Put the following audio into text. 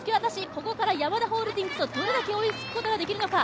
ここからヤマダホールディングスにどれだけ追いつくことができるのか。